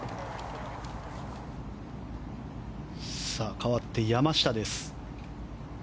かわって山下です。